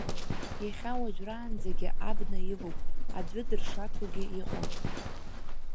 Иахьа уажәраанӡагьы абна илоуп, аӡәы дыршаҭогьы иҟам.